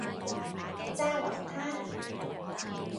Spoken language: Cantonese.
揸流灘